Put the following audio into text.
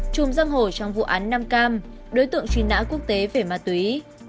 trùm răng hổ trong vụ án nam cam đối tượng truy nã quốc tế về ma túy